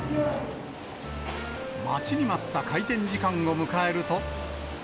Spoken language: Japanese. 待ちに待った開店時間を迎え